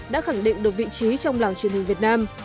đã khẳng định được vị trí trong làng truyền hình việt nam